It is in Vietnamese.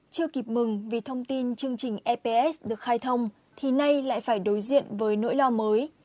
chưa kịp mừng vì thông tin chương trình eps được khai thông thì nay lại phải đối diện với nỗi lo mới